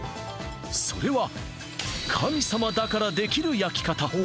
それは神様だからできる焼き方